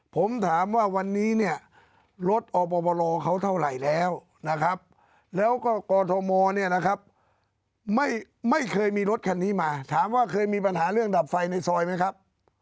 ผมถามว่าวันนี้เนี่ยรถอบรเขาเท่าไหร่แล้วนะครับแล้วก็กอทมเนี่ยนะครับไม่เคยมีรถคันนี้มาถามว่าเคยมีปัญหาเรื่องดับไฟในซอยไหมครับ